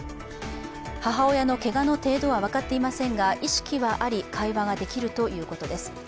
母親のけがの程度は分かっていませんが意識はあり、会話ができるということです。